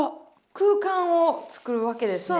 空間をつくるわけですね。